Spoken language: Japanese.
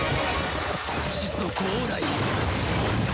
始祖光来！